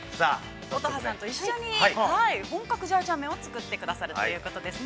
◆乙葉さんと一緒に、本格ジャージャー麺を作っていただけるということですね。